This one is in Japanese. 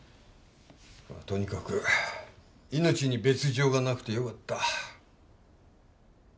とにかく命に別状がなくてよかった。